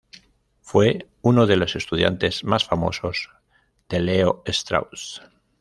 Fue uno de los estudiantes más famosos de Leo Strauss.